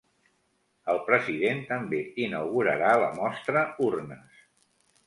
El president també inaugurarà la mostra Urnes.